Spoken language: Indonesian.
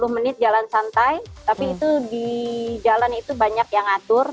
sepuluh menit jalan santai tapi itu di jalan itu banyak yang ngatur